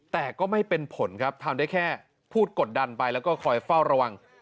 แต่ก็ไม่เป็นผลครับทำได้แค่พูดกดดันไปแล้วก็คอยเฝ้าระวัง